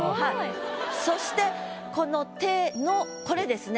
そしてこの「手の」これですね。